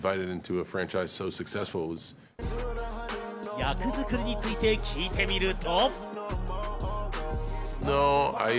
役作りについて聞いてみると。